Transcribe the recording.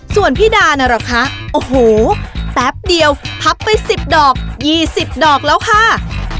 ส่วนพี่ดาน่ะเหรอคะโอ้โหแป๊บเดียวพับไป๑๐ดอก๒๐ดอกแล้วค่ะ